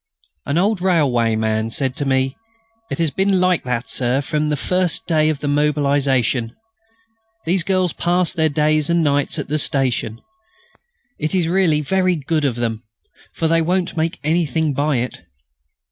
An old railwayman said to me: "It has been like that, Sir, from the first day of the mobilisation. These girls pass their days and nights at the station. It is really very good of them, for they won't make anything by it."